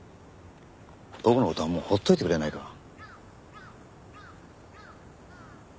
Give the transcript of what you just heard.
僕の事はもう放っといてくれないかな。